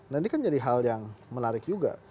nah ini kan jadi hal yang menarik juga